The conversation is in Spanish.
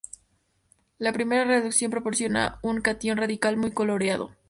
La primera reducción proporciona un catión radical muy coloreado.